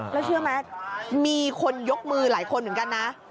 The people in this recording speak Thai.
แล้วเชื่อไหมมีคนยกมือหลายคนเหมือนกันนะ